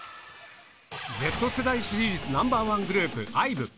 Ｚ世代支持率ナンバーワングループ、ＩＶＥ。